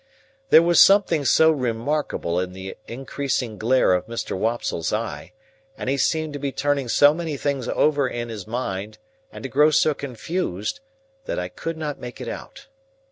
There was something so remarkable in the increasing glare of Mr. Wopsle's eye, and he seemed to be turning so many things over in his mind and to grow so confused, that I could not make it out.